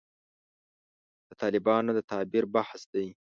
د طالبانو د تعبیر بحث دی.